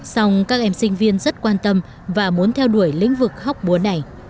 xong các em sinh viên rất quan tâm và muốn theo đuổi lĩnh vực học búa này